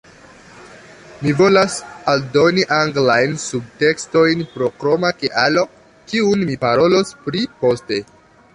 Mi volas aldoni anglajn subtekstojn pro kroma kialo kiun mi parolos pri poste